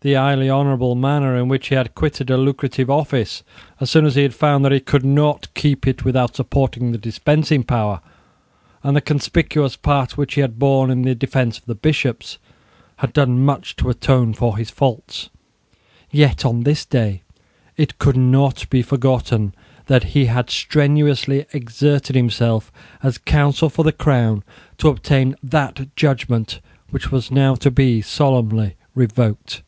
The highly honourable manner in which he had quitted a lucrative office, as soon as he had found that he could not keep it without supporting the dispensing power, and the conspicuous part which he had borne in the defence of the Bishops, had done much to atone for his faults. Yet, on this day, it could not be forgotten that he had strenuously exerted himself, as counsel for the Crown, to obtain that judgment which was now to be solemnly revoked.